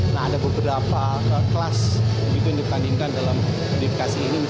nah ada beberapa kelas itu yang ditandingkan dalam deflasi ini